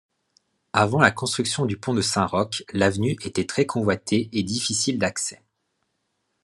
Avant la construction du Pont de Saint-Roch, l'avenue était très convoitée et difficile d'accès.